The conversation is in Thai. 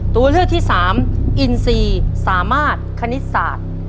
ตัวเลือกที่สามอินซีสามารถคณิตศาสตร์